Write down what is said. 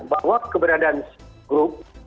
bahwa keberadaan grup